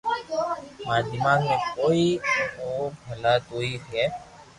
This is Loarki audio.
ماري دماغ ۾ ڪوئي آوي ڀلا تو تي ڪي